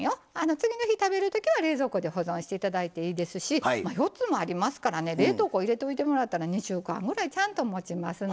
次の日食べる時は冷蔵庫で保存して頂いていいですし４つもありますからね冷凍庫入れといてもらったら２週間ぐらいちゃんともちますのでね。